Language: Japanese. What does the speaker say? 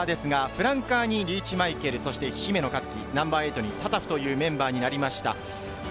フランカーにリーチ・マイケル、姫野和樹、ナンバー８にタタフというメンバーになりました。